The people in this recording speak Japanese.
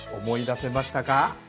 思い出せましたか？